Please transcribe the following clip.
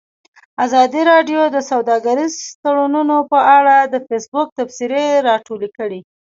ازادي راډیو د سوداګریز تړونونه په اړه د فیسبوک تبصرې راټولې کړي.